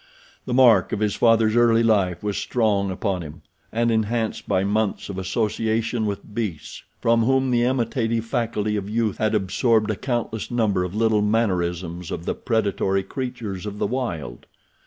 The mark of his father's early life was strong upon him and enhanced by months of association with beasts, from whom the imitative faculty of youth had absorbed a countless number of little mannerisms of the predatory creatures of the wild.